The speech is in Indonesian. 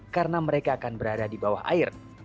karena mereka akan berada di bawah air